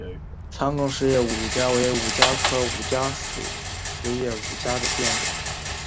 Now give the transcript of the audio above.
长梗匙叶五加为五加科五加属匙叶五加的变种。